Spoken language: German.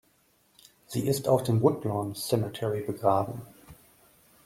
Sie ist auf dem Woodlawn Cemetery begraben.